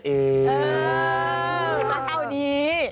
เท่าดี